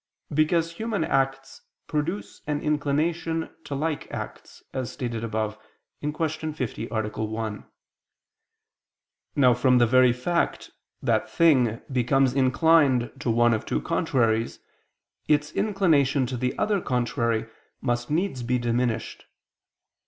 Because human acts produce an inclination to like acts, as stated above (Q. 50, A. 1). Now from the very fact that thing becomes inclined to one of two contraries, its inclination to the other contrary must needs be diminished.